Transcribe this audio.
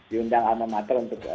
diundang alma mater untuk